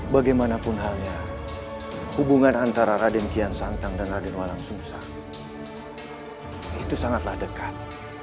bagaimanapun halnya hubungan antara raden kian santang dan raden walang susah itu sangatlah dekat